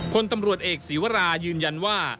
พลตำรวจเอกศีวรายืนยันว่า